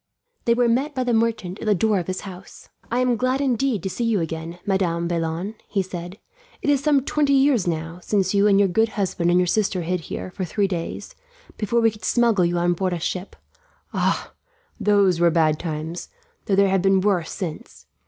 They were met by the merchant at the door of his house. "I am glad indeed to see you again, Madame Vaillant," he said. "It is some twenty years, now, since you and your good husband and your sister hid here, for three days, before we could smuggle you on board a ship. Ah! Those were bad times; though there have been worse since.